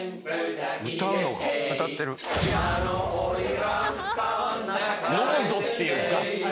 歌うのか歌ってる「飲むぞ！っていう合唱」